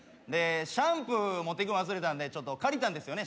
シャンプー持っていくの忘れたんで借りたんですよね